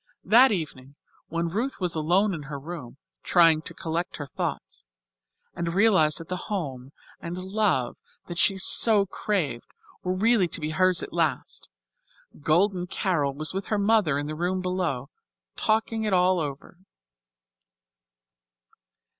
That evening when Ruth was alone in her room, trying to collect her thoughts and realize that the home and love that she had so craved were really to be hers at last, Golden Carol was with her mother in the room below, talking it all over.